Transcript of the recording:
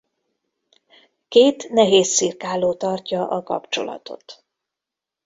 Két nehézcirkáló tartja a kapcsolatot.